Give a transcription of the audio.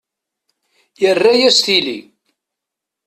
Irra-yas tili.